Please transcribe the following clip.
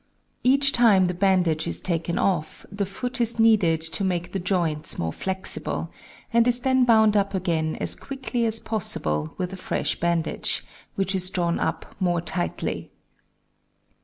Each time the bandage is taken off, the foot is kneaded to make the joints more flexible, and is then bound up again as quickly as possible with a fresh bandage, which is drawn up more tightly.